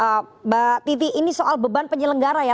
mbak titi ini soal beban penyelenggara ya